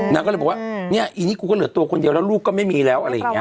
นางก็เลยบอกว่าเนี่ยอีนี่กูก็เหลือตัวคนเดียวแล้วลูกก็ไม่มีแล้วอะไรอย่างนี้